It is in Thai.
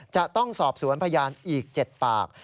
จะต้องสอบสวนพยานอีก๗ปาก